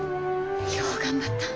よう頑張った。